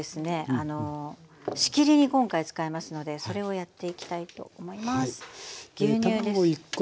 あの仕切りに今回使いますのでそれをやっていきたいと思います。